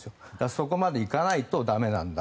そこまで行かないと駄目なんだ。